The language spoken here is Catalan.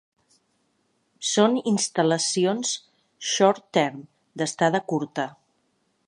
Són instal·lacions ‘short term’, d’estada curta.